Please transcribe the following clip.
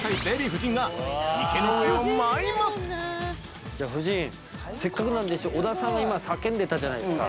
◆夫人、せっかくなんで小田さんが今叫んでたじゃないですか。